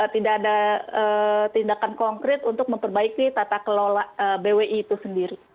tidak ada tindakan konkret untuk memperbaiki tata kelola bwi itu sendiri